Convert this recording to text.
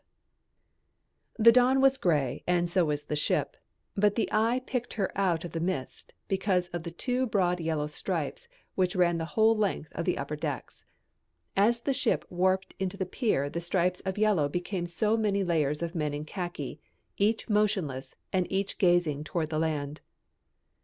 F. The dawn was gray and so was the ship, but the eye picked her out of the mist because of two broad yellow stripes which ran the whole length of the upper decks. As the ship warped into the pier the stripes of yellow became so many layers of men in khaki, each motionless and each gazing toward the land.